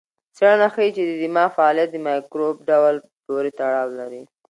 څېړنه ښيي چې د دماغ فعالیت د مایکروب ډول پورې تړاو لري.